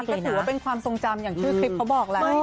ก็ถือว่าเป็นความทรงจำอย่างชื่อคลิปเขาบอกแหละ